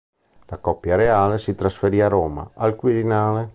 La coppia reale si trasferì a Roma, al Quirinale.